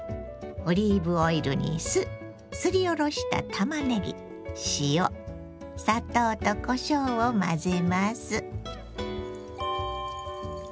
オリーブオイルに酢すりおろしたたまねぎ塩砂糖とこしょうを混ぜます。